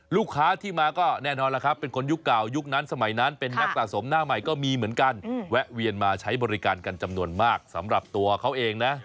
ลูกค้าที่มาก็แน่นอนแล้วครับเป็นคนยุคเก่ายุคนั้นสมัยนั้นเป็นนักสะสมหน้าใหม่ก็มีเหมือนกันแวะเวียนมาใช้บริการกันจำนวนมากสำหรับตัวเขาเองนะ